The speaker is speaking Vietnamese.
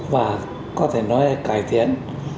và có thể nói là cải thiện